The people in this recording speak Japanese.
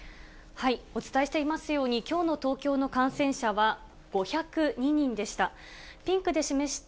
お伝えしていますように、きょうの東京の感染者は５０２人でした。